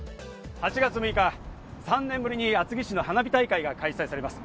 ８月６日、３年ぶりに厚木市の花火大会が開催されます。